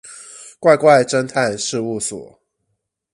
怪怪偵探事務所